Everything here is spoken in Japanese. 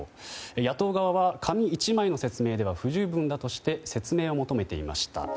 野党側は紙１枚の説明では不十分だとして説明を求めていました。